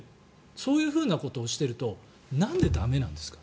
そういうふうなことをしているとなんで駄目なんですか。